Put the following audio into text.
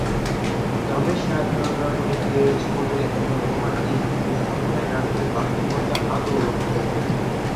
তবে সাধারণ নাগরিক জীবনের এমন রোম্যান্টিক উপস্থাপনায় নাটকের বাস্তবতা আদৌ রক্ষিত হয়নি।